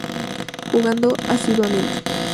Jugando asiduamente.